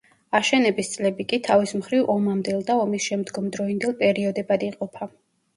აშენების წლები კი თავის მხრივ ომამდელ და ომისშემდგომ დროინდელ პერიოდებად იყოფა.